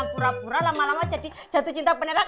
pura pura lama lama jadi jatuh cinta penerak